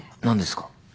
何ですか？